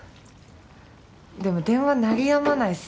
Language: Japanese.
でも電話鳴りやまないっす。